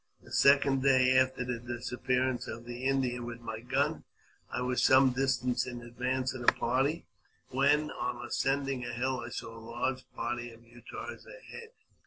The second day after the disappearance of the Indian with my gun, I was some distance in advance of the party, when, on ascending a hill, I saw a large party of Utahs ahead.